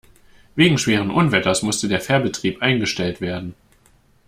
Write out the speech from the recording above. Wegen schweren Unwetters musste der Fährbetrieb eingestellt werden.